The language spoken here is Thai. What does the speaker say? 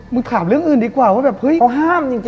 ไม่ถามเรื่องอื่นดีกว่าว่าสิ